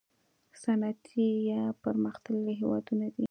صنعتي یا پرمختللي هیوادونه دي.